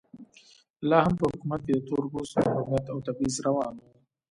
لا هم په حکومت کې د تور پوستو محرومیت او تبعیض روان و.